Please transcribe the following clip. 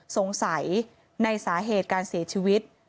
สงสัยในสาเหตุการเสียชีวิต